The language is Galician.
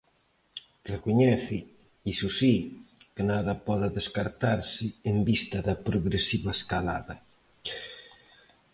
Recoñece, iso si, que nada pode descartarse en vista da progresiva escalada.